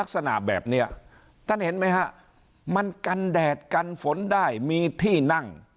ลักษณะแบบนี้ท่านเห็นไหมฮะมันกันแดดกันฝนได้มีที่นั่ง